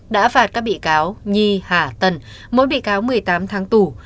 đã phạt các bị cáo nhi hà tân mỗi bị cáo một mươi tám tháng tù